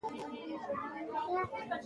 د اسلامي دولت وظیفه دوه ګونې دیني او دنیوې ده.